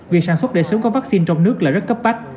việc sản xuất để sớm có vaccine trong nước là rất cấp bách